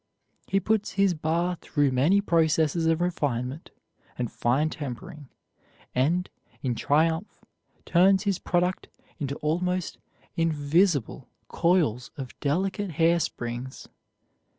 He puts his bar through many processes of refinement and fine tempering, and, in triumph, turns his product into almost invisible coils of delicate hair springs.